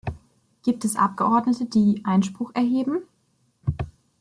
Gibt es Abgeordnete, die Einspruch erheben?